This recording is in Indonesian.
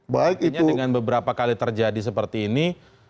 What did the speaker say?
artinya dengan beberapa kali terjadi seperti ini